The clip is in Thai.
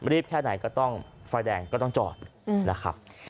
แค่ไหนก็ต้องไฟแดงก็ต้องจอดนะครับ